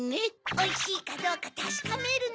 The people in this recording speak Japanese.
おいしいかどうかたしかめるネ。